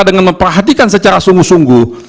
dengan memperhatikan secara sungguh sungguh